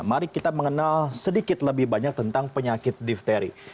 mari kita mengenal sedikit lebih banyak tentang penyakit difteri